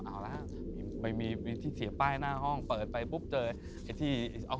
เอาละฮะไม่มีที่เสียป้ายหน้าห้องเปิดไปปุ๊บเจอไอ้ที่ออก